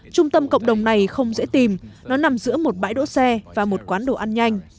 trung tâm cộng đồng này không dễ tìm nó nằm giữa một bãi đỗ xe và một quán đồ ăn nhanh